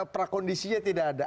prakondisinya tidak ada